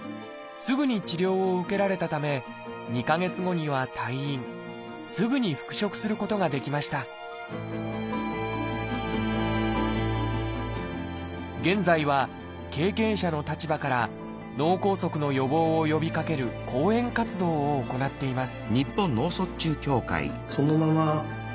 すぐに復職することができました現在は経験者の立場から脳梗塞の予防を呼びかける講演活動を行っています